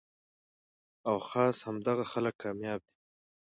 او خاص همدغه خلک کامياب دي